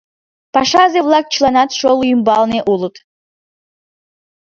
Пашазе-влак чыланат шоло ӱмбалне улыт.